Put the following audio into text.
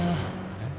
えっ？